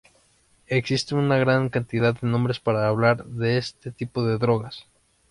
Existe una gran cantidad de nombres para hablar de este tipo de drogas.